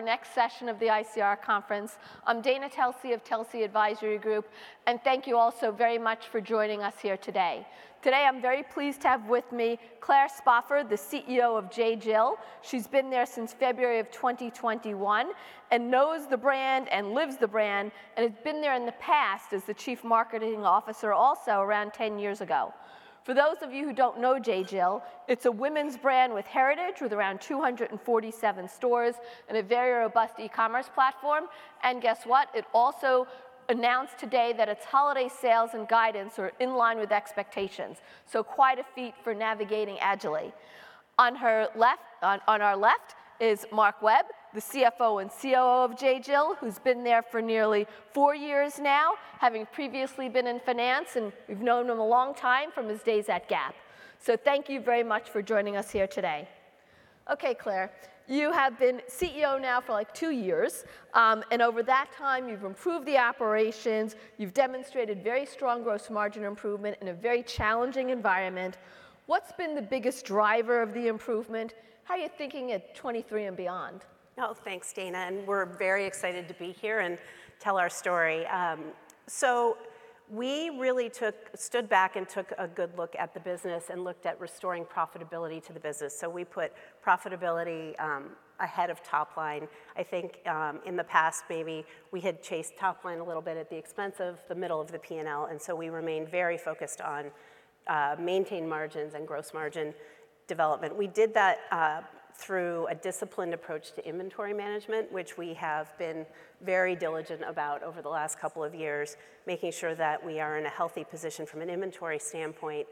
Our next session of the ICR conference. I'm Dana Telsey of Telsey Advisory Group, and thank you also very much for joining us here today. Today I'm very pleased to have with me Claire Spofford, the CEO of J.Jill. She's been there since February of 2021, and knows the brand and lives the brand, and has been there in the past as the Chief Marketing Officer also around 10 years ago. For those of you who don't know J.Jill, it's a women's brand with heritage with around 247 stores and a very robust e-commerce platform. Guess what? It also announced today that its holiday sales and guidance are in line with expectations. Quite a feat for navigating agilely. On her left, on our left, is Mark Webb, the CFO and COO of J.Jill, who's been there for nearly four years now, having previously been in finance, and we've known him a long time from his days at Gap. Thank you very much for joining us here today. Okay, Claire. You have been CEO now for like two years, and over that time you've improved the operations, you've demonstrated very strong gross margin improvement in a very challenging environment. What's been the biggest driver of the improvement? How are you thinking at 2023 and beyond? Oh, thanks, Dana, we're very excited to be here and tell our story. We really stood back and took a good look at the business and looked at restoring profitability to the business. We put profitability ahead of top line. I think in the past maybe we had chased top line a little bit at the expense of the middle of the P&L. We remained very focused on maintain margins and gross margin development. We did that through a disciplined approach to inventory management, which we have been very diligent about over the last couple of years, making sure that we are in a healthy position from an inventory standpoint.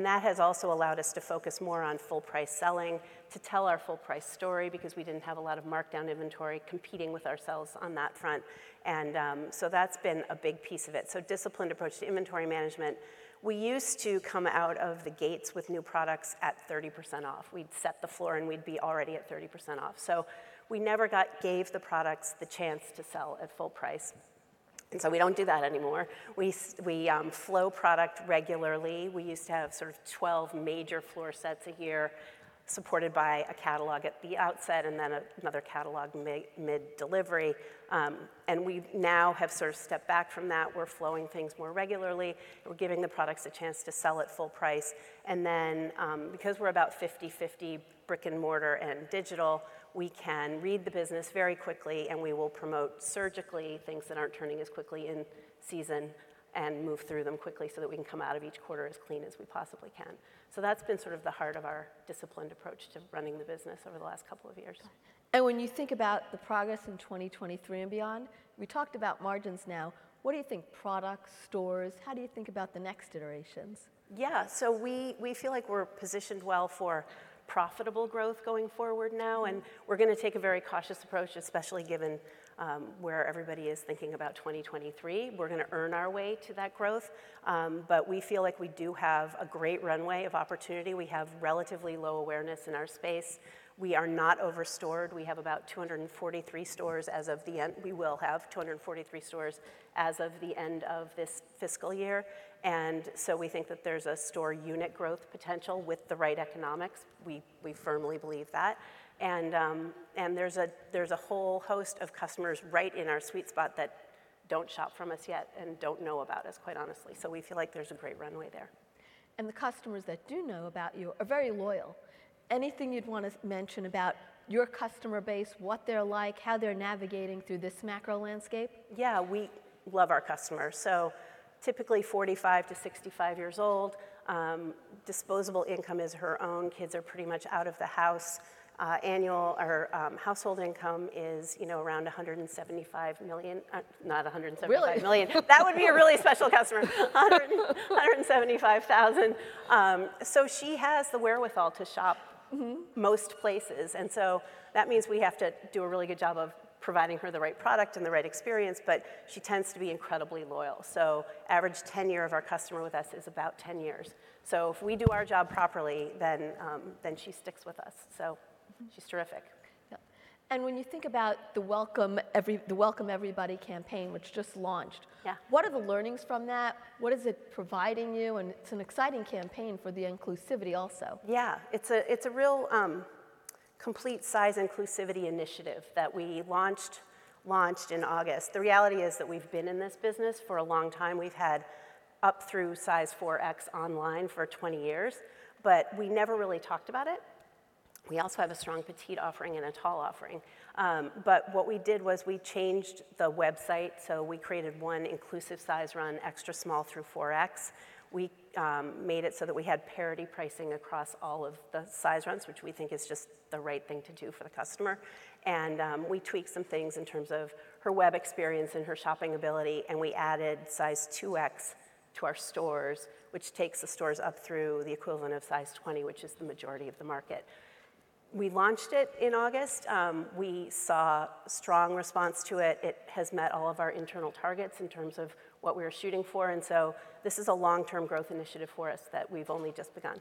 That has also allowed us to focus more on full price selling, to tell our full price story because we didn't have a lot of markdown inventory competing with ourselves on that front. That's been a big piece of it. Disciplined approach to inventory management. We used to come out of the gates with new products at 30% off. We'd set the floor and we'd be already at 30% off. We never gave the products the chance to sell at full price. Hmm. We don't do that anymore. We flow product regularly. We used to have sort of 12 major floor sets a year supported by a catalog at the outset and then another catalog mid delivery. We now have sort of stepped back from that. We're flowing things more regularly. We're giving the products a chance to sell at full price. Because we're about 50/50 brick and mortar and digital, we can read the business very quickly and we will promote surgically things that aren't turning as quickly in season and move through them quickly so that we can come out of each quarter as clean as we possibly can. That's been sort of the heart of our disciplined approach to running the business over the last couple of years. When you think about the progress in 2023 and beyond, we talked about margins now. What do you think products, stores, how do you think about the next iterations? Yeah. We feel like we're positioned well for profitable growth going forward now, and we're gonna take a very cautious approach, especially given where everybody is thinking about 2023. We're gonna earn our way to that growth. We feel like we do have a great runway of opportunity. We have relatively low awareness in our space. We are not over stored. We will have 243 stores as of the end of this fiscal year. We think that there's a store unit growth potential with the right economics. We firmly believe that. There's a whole host of customers right in our sweet spot that don't shop from us yet and don't know about us, quite honestly. We feel like there's a great runway there. The customers that do know about you are very loyal. Anything you'd wanna mention about your customer base, what they're like, how they're navigating through this macro landscape? Yeah. We love our customers. So, typically 45-65 years old, disposable income is her own. Kids are pretty much out of the house. Annual or household income is, you know, around $175 million. Really? No, not $175 million. That would be a really special customer. $175,000. She has the wherewithal to shop. Mm-hmm. Most places, and so that means we have to do a really good job of providing her the right product and the right experience, but she tends to be incredibly loyal. Average tenure of our customer with us is about 10 years. If we do our job properly, then she sticks with us. She's terrific. Yep. When you think about the Welcome Everybody campaign which just launched. Yeah. What are the learnings from that? What is it providing you? It's an exciting campaign for the inclusivity also. Yeah. It's a, it's a real complete size inclusivity initiative that we launched in August. The reality is that we've been in this business for a long time. We've had up through size 4X online for 20 years, but we never really talked about it. We also have a strong petite offering and a tall offering. What we did was we changed the website, so we created one inclusive size run, extra small through 4X. We made it so that we had parity pricing across all of the size runs, which we think is just the right thing to do for the customer. We tweaked some things in terms of her web experience and her shopping ability. We added size 2X to our stores, which takes the stores up through the equivalent of size 20, which is the majority of the market. We launched it in August. We saw strong response to it. It has met all of our internal targets in terms of what we were shooting for. This is a long-term growth initiative for us that we've only just begun.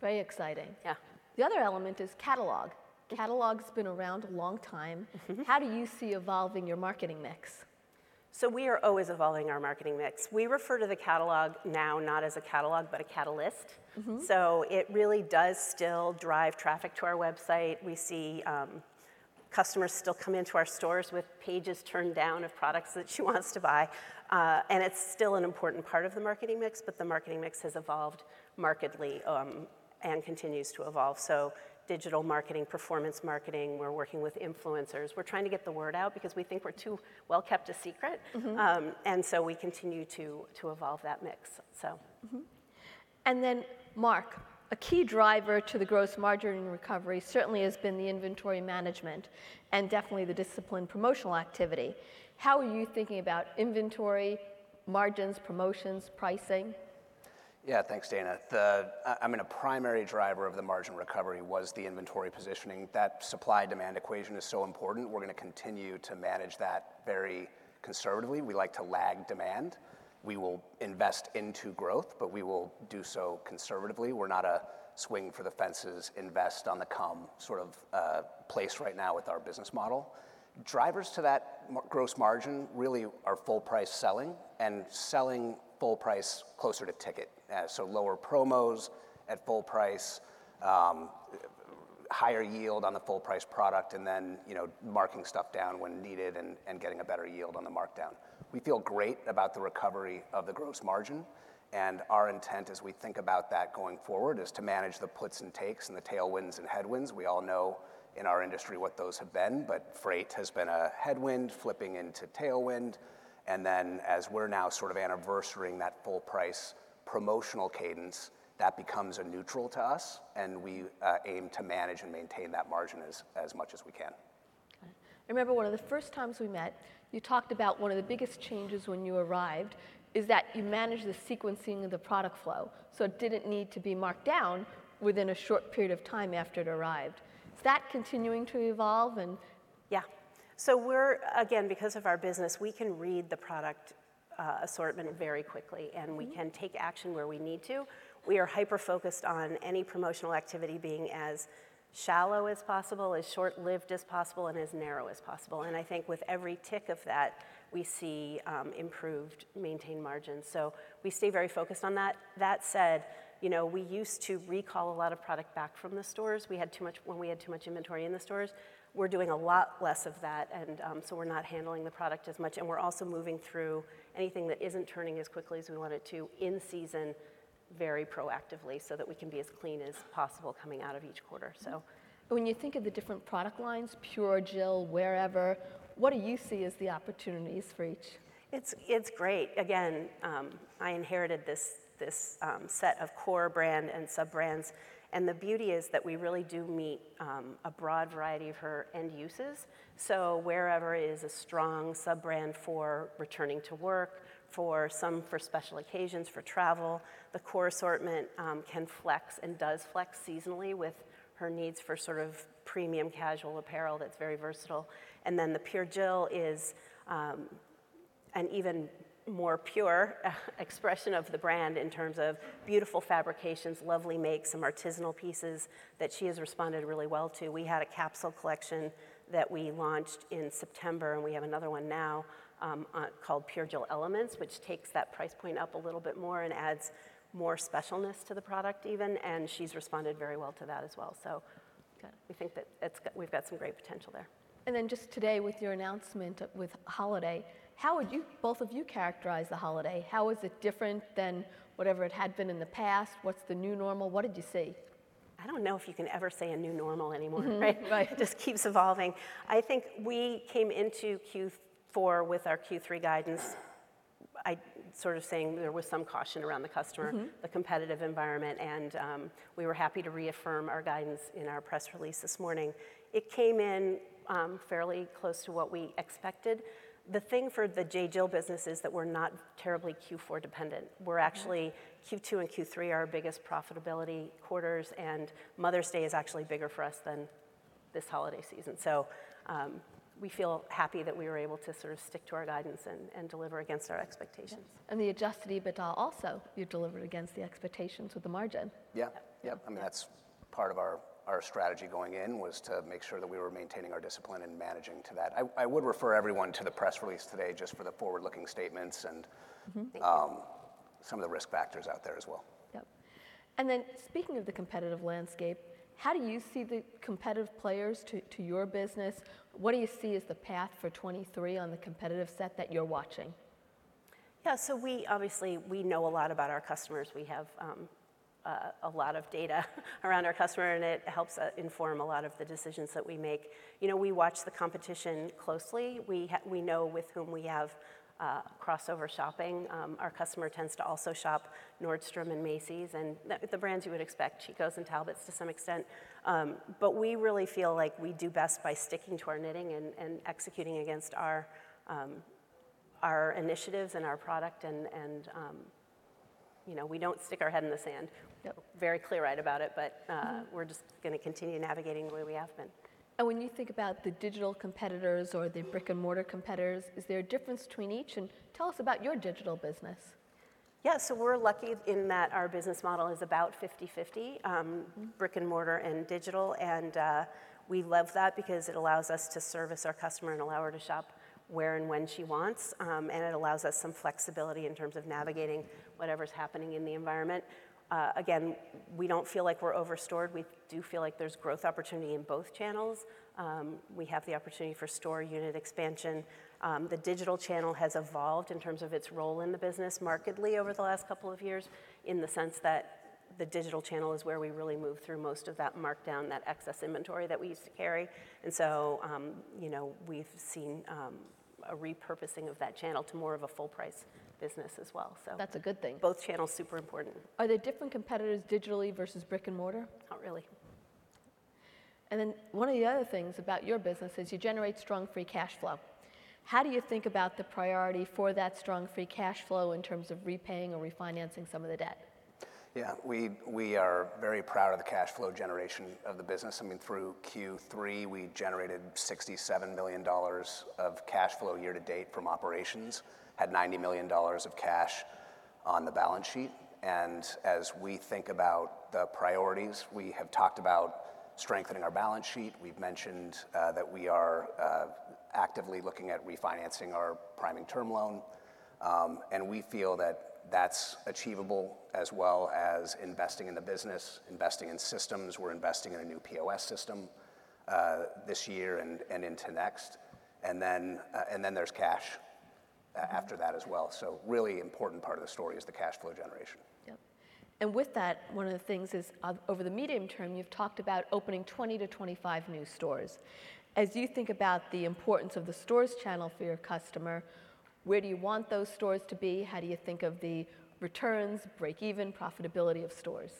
Very exciting. Yeah. The other element is catalog. Yeah. Catalog's been around a long time. Mm-hmm. How do you see evolving your marketing mix? We are always evolving our marketing mix. We refer to the catalog now not as a catalog, but a catalyst. Mm-hmm. It really does still drive traffic to our website. We see customers still come into our stores with pages turned down of products that she wants to buy. It's still an important part of the marketing mix, but the marketing mix has evolved markedly and continues to evolve. Digital marketing, performance marketing, we're working with influencers. We're trying to get the word out because we think we're too well-kept a secret. Mm-hmm. We continue to evolve that mix. So. Mark, a key driver to the gross margin recovery certainly has been the inventory management and definitely the disciplined promotional activity. How are you thinking about inventory, margins, promotions, pricing? Yeah. Thanks, Dana. I mean, a primary driver of the margin recovery was the inventory positioning. That supply-demand equation is so important. We're gonna continue to manage that very conservatively. We like to lag demand. We will invest into growth, we will do so conservatively. We're not a swing for the fences, invest on the come sort of place right now with our business model. Drivers to that gross margin really are full price selling and selling full price closer to ticket. Lower promos at full price. Higher yield on the full price product, you know, marking stuff down when needed and getting a better yield on the markdown. We feel great about the recovery of the gross margin, and our intent as we think about that going forward is to manage the puts and takes, and the tailwinds and headwinds. We all know in our industry what those have been. Freight has been a headwind flipping into tailwind, and then as we're now sort of anniversarying that full price promotional cadence, that becomes a neutral to us, and we aim to manage and maintain that margin as much as we can. Got it. I remember one of the first times we met, you talked about one of the biggest changes when you arrived is that you managed the sequencing of the product flow, so it didn't need to be marked down within a short period of time after it arrived. Is that continuing to evolve and? Yeah. Again, because of our business, we can read the product assortment very quickly. Mm-hmm. And we can take action where we need to. We are hyper-focused on any promotional activity being as shallow as possible, as short-lived as possible, and as narrow as possible. I think with every tick of that, we see improved maintained margins. We stay very focused on that. That said, you know, we used to recall a lot of product back from the stores. When we had too much inventory in the stores. We're doing a lot less of that, and, so we're not handling the product as much. We're also moving through anything that isn't turning as quickly as we want it to in season very proactively so that we can be as clean as possible coming out of each quarter. When you think of the different product lines, Pure Jill, Wearever, what do you see as the opportunities for each? It's great. Again, I inherited this set of core brand and sub-brands, and the beauty is that we really do meet a broad variety of her end uses. Wearever is a strong sub-brand for returning to work, for some, for special occasions, for travel. The core assortment can flex and does flex seasonally with her needs for sort of premium casual apparel that's very versatile. The Pure Jill is an even more pure expression of the brand in terms of beautiful fabrications, lovely makes, some artisanal pieces that she has responded really well to. We had a capsule collection that we launched in September. We have another one now, called Pure Jill Elements, which takes that price point up a little bit more and adds more specialness to the product even, and she's responded very well to that as well. Good. We think that it's we've got some great potential there. Just today with your announcement with holiday, how would you, both of you characterize the holiday? How is it different than whatever it had been in the past? What's the new normal? What did you see? I don't know if you can ever say a new normal anymore, right? Mm-hmm. Right. Just keeps evolving. I think we came into Q4 with our Q3 guidance. I sort of saying there was some caution around the customer. Mm-hmm. The competitive environment, and, we were happy to reaffirm our guidance in our press release this morning. It came in, fairly close to what we expected. The thing for the J.Jill business is that we're not terribly Q4 dependent. Yeah. We're actually, Q2 and Q3 are our biggest profitability quarters, and Mother's Day is actually bigger for us than this holiday season. We feel happy that we were able to sort of stick to our guidance and deliver against our expectations. Yeah. The adjusted EBITDA also, you delivered against the expectations with the margin. Yeah. Yep. Yep. I mean, that's part of our strategy going in, was to make sure that we were maintaining our discipline and managing to that. I would refer everyone to the press release today just for the forward-looking statements. Thank you. Some of the risk factors out there as well. Yep. Speaking of the competitive landscape, how do you see the competitive players to your business? What do you see as the path for 2023 on the competitive set that you're watching? We obviously, we know a lot about our customers. We have a lot of data around our customer, and it helps inform a lot of the decisions that we make. You know, we watch the competition closely. We know with whom we have crossover shopping. Our customer tends to also shop Nordstrom and Macy's and the brands you would expect, Chico's and Talbots to some extent. We really feel like we do best by sticking to our knitting and executing against our initiatives and our product and, you know, we don't stick our head in the sand. Yep. Very clear-eyed about it, but. Mm-hmm. We're just gonna continue navigating the way we have been. When you think about the digital competitors or the brick-and-mortar competitors, is there a difference between each? Tell us about your digital business. Yeah, we're lucky in that our business model is about 50/50. Mm-hmm. Brick-and-mortar and digital. We love that because it allows us to service our customer and allow her to shop where and when she wants. It allows us some flexibility in terms of navigating whatever's happening in the environment. Again, we don't feel like we're over-stored. We do feel like there's growth opportunity in both channels. We have the opportunity for store unit expansion. The digital channel has evolved in terms of its role in the business markedly over the last couple of years in the sense that the digital channel is where we really move through most of that markdown, that excess inventory that we used to carry. You know, we've seen a repurposing of that channel to more of a full price business as well. That's a good thing. Both channels, super important. Are there different competitors digitally versus brick-and-mortar? Not really. One of the other things about your business is you generate strong free cash flow. How do you think about the priority for that strong free cash flow in terms of repaying or refinancing some of the debt? Yeah. We are very proud of the cash flow generation of the business. I mean through Q3, we generated $67 million of cash flow year-to-date from operations, had $90 million of cash on the balance sheet. As we think about the priorities, we have talked about strengthening our balance sheet. We've mentioned that we are actively looking at refinancing our priming term loan. And we feel that that's achievable as well as investing in the business, investing in systems. We're investing in a new POS system this year and into next. Then there's cash after that as well. Really important part of the story is the cash flow generation. Yep. With that, one of the things is over the medium term, you've talked about opening 20 to 25 new stores. As you think about the importance of the stores channel for your customer, where do you want those stores to be? How do you think of the returns, break even, profitability of stores?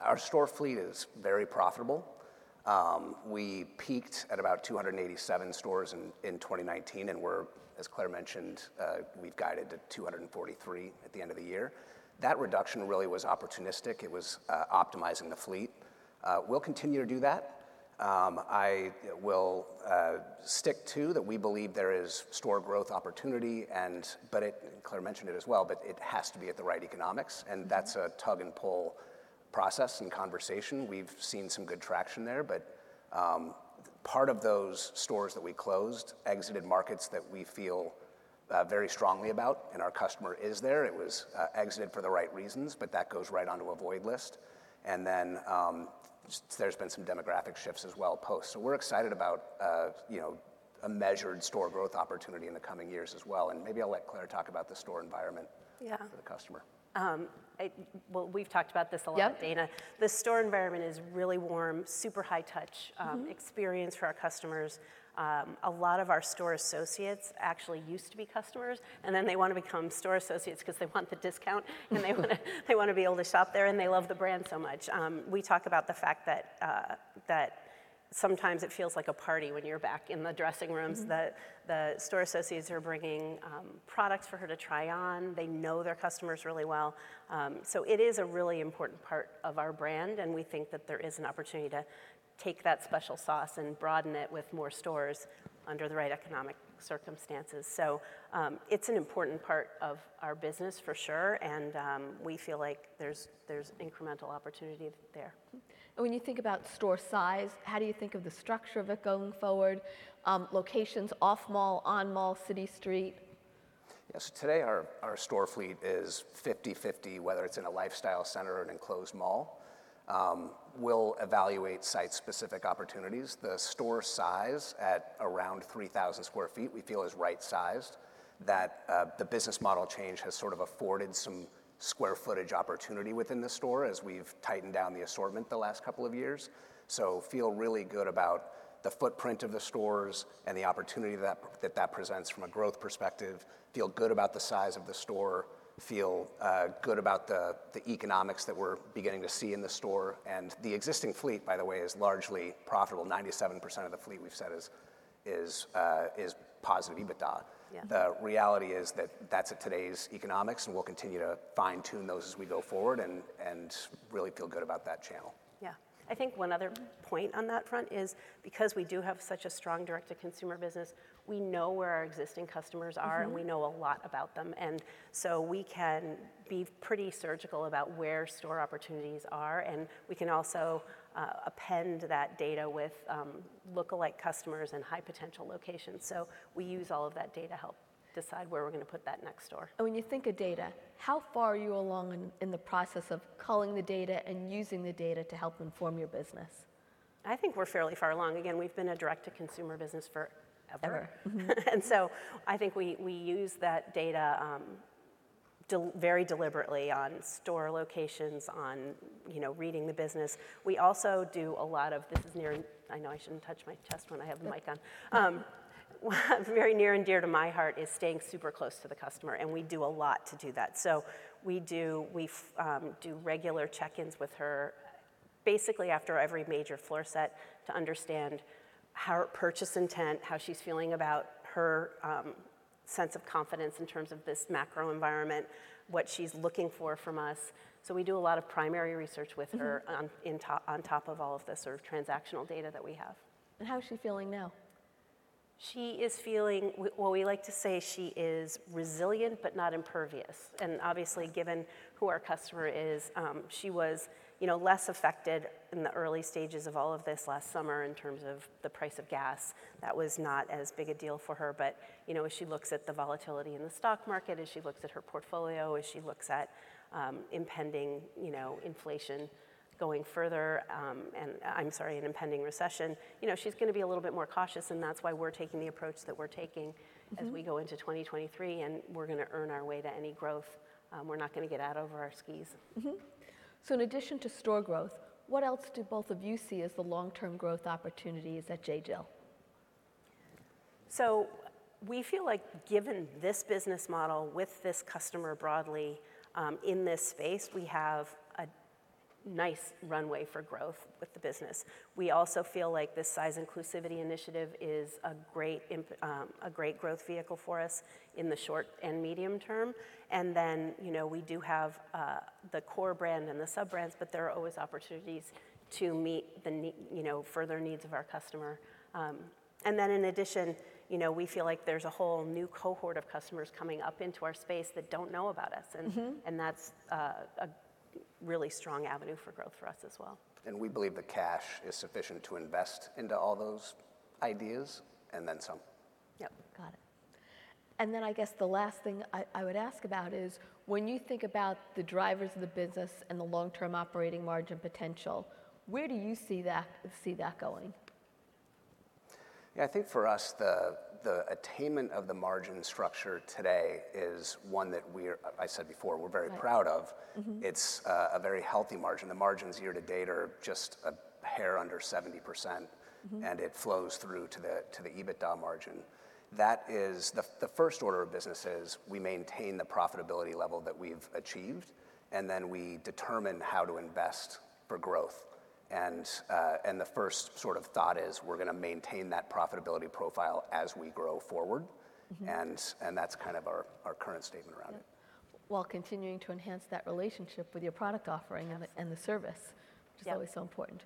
Our store fleet is very profitable. We peaked at about 287 stores in 2019, and we're, as Claire mentioned, we've guided to 243 at the end of the year. That reduction really was opportunistic. It was optimizing the fleet. We'll continue to do that. I will stick to that we believe there is store growth opportunity and Claire mentioned it as well, but it has to be at the right economics. Mm-hmm. That's a tug and pull process and conversation. We've seen some good traction there. Part of those stores that we closed exited markets that we feel very strongly about, and our customer is there. It was exited for the right reasons, but that goes right onto a void list. There's been some demographic shifts as well post. We're excited about, you know, a measured store growth opportunity in the coming years as well. Maybe I'll let Claire talk about the store environment. Yeah. For the customer. Well, we've talked about this a lot. Yep. Dana. The store environment is really warm, super high touch. Mm-hmm. Experience for our customers. A lot of our store associates actually used to be customers, and then they wanna become store associates 'cause they want the discount and they wanna be able to shop there, and they love the brand so much. We talk about the fact that sometimes it feels like a party when you're back in the dressing rooms. Mm-hmm. The store associates are bringing products for her to try on. They know their customers really well. It is a really important part of our brand, and we think that there is an opportunity to take that special sauce and broaden it with more stores under the right economic circumstances. It's an important part of our business, for sure, and we feel like there's incremental opportunity there. When you think about store size, how do you think of the structure of it going forward? Locations off mall, on mall, city, street? Yeah. Today our store fleet is 50/50, whether it's in a lifestyle center or an enclosed mall. We'll evaluate site-specific opportunities. The store size at around 3,000 sq ft, we feel is right-sized, that the business model change has sort of afforded some square footage opportunity within the store as we've tightened down the assortment the last couple of years. Feel really good about the footprint of the stores and the opportunity that presents from a growth perspective. Feel good about the size of the store. Feel good about the economics that we're beginning to see in the store. The existing fleet, by the way, is largely profitable. 97% of the fleet we've said is positive EBITDA. Yeah. The reality is that that's at today's economics, and we'll continue to fine-tune those as we go forward and really feel good about that channel. I think one other point on that front is because we do have such a strong direct-to-consumer business, we know where our existing customers are. Mm-hmm. We know a lot about them. We can be pretty surgical about where store opportunities are, and we can also append that data with look-alike customers in high potential locations. We use all of that data to help decide where we're gonna put that next store. When you think of data, how far are you along in the process of culling the data and using the data to help inform your business? I think we're fairly far along. Again, we've been a direct-to-consumer business forever. Ever. I think we use that data, very deliberately on store locations, on, you know, reading the business. We also do a lot. I know I shouldn't touch my chest when I have the mic on. Very near and dear to my heart is staying super close to the customer, and we do a lot to do that. We do regular check-ins with her basically after every major floor set to understand her purchase intent, how she's feeling about her sense of confidence in terms of this macro environment, what she's looking for from us. We do a lot of primary research with her. Mm-hmm. On top of all of the sort of transactional data that we have. How is she feeling now? She is feeling. Well, we like to say she is resilient, but not impervious. Obviously, given who our customer is, she was, you know, less affected in the early stages of all of this last summer in terms of the price of gas. That was not as big a deal for her. You know, as she looks at the volatility in the stock market, as she looks at her portfolio, as she looks at impending, you know, inflation going further, I'm sorry, an impending recession. You know, she's gonna be a little bit more cautious, and that's why we're taking the approach that we're taking. Mm-hmm. As we go into 2023, and we're gonna earn our way to any growth. We're not gonna get out over our skis. In addition to store growth, what else do both of you see as the long-term growth opportunities at J.Jill? We feel like given this business model with this customer broadly, in this space, we have a nice runway for growth with the business. We also feel like this size inclusivity initiative is a great growth vehicle for us in the short and medium term. Then, you know, we do have, the core brand and the sub-brands, but there are always opportunities to meet the you know, further needs of our customer. Then in addition, you know, we feel like there's a whole new cohort of customers coming up into our space that don't know about us. Mm-hmm. That's a really strong avenue for growth for us as well. We believe the cash is sufficient to invest into all those ideas, and then some. Yep. Got it. I guess the last thing I would ask about is when you think about the drivers of the business and the long-term operating margin potential, where do you see that going? Yeah, I think for us, the attainment of the margin structure today is one that we're, I said before, we're very proud of. Right. Mm-hmm. It's, a very healthy margin. The margins year-to-date are just a hair under 70%. Mm-hmm. It flows through to the EBITDA margin. The first order of business is we maintain the profitability level that we've achieved, then we determine how to invest for growth. The first sort of thought is we're gonna maintain that profitability profile as we grow forward. Mm-hmm. That's kind of our current statement around it. Yep. While continuing to enhance that relationship with your product offering. Yes. And the service. Yep. Which is always so important.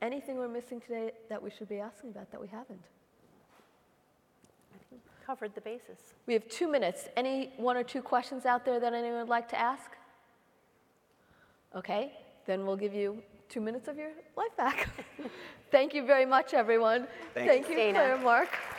Anything we're missing today that we should be asking about that we haven't? I think we covered the bases. We have two minutes. Any one or two questions out there that anyone would like to ask? Okay. We'll give you two minutes of your life back. Thank you very much, everyone. Thanks. Thanks, Dana. Thank you, Claire and Mark.